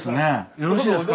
よろしいですか？